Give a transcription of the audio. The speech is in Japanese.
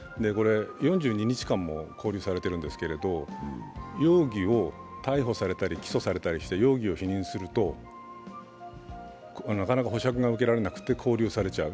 ４２日間も勾留されてるんですけれど逮捕されたり、起訴されたりして容疑を否認するとなかなか保釈が受けられなくて勾留されちゃう。